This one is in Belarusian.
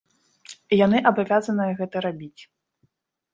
І яны абавязаныя гэта рабіць.